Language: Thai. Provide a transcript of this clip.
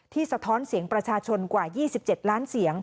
สะท้อนเสียงประชาชนกว่า๒๗ล้านเสียง